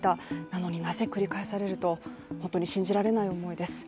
なのになぜ繰り返されると、本当に信じられない思いです。